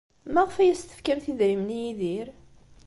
Maɣef ay as-tefkamt idrimen i Yidir?